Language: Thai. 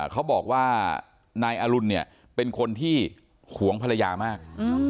เขาบอกว่านายอรุณเนี่ยเป็นคนที่หวงภรรยามาก